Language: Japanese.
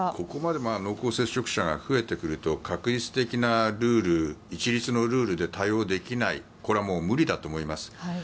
ここまで濃厚接触者が増えてくると画一的なルール一律のルールで対応できないこれはもう無理だと思います。